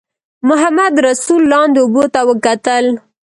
محمدرسول لاندې اوبو ته وکتل.